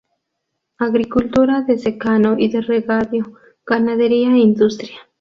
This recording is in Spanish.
Agricultura de secano y de regadío, ganadería e industria.